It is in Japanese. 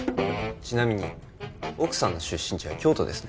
ちなみに奥さんの出身地は京都ですね？